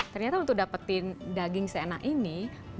ternyata untuk dapetin daging seenak ini